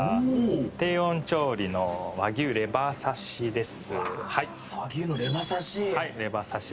低温調理の和牛レバー刺しです。